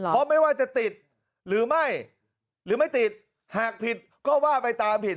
เพราะไม่ว่าจะติดหรือไม่หากผิดก็ว่าไปตามผิด